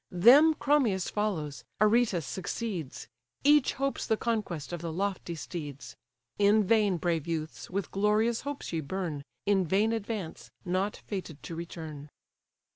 Them Chromius follows, Aretus succeeds; Each hopes the conquest of the lofty steeds: In vain, brave youths, with glorious hopes ye burn, In vain advance! not fated to return.